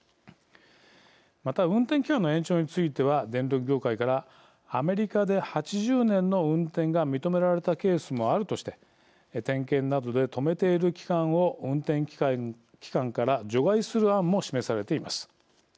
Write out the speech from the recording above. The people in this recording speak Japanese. また、運転期間の延長については電力業界からアメリカで８０年の運転が認められたケースもあるとして点検などで止めている期間を運転期間から除外する案も示されています。